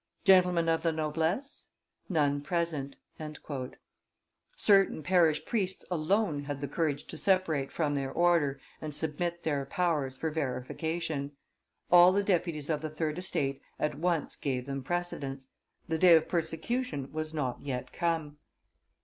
Gentlemen of the noblesse? None present." Certain parish priests alone had the courage to separate from their order and submit their powers for verification. All the deputies of the third (estate) at once gave them precedence. The day of persecution was not yet come.